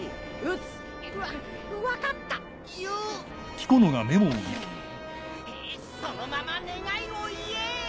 うぅそのまま願いを言え。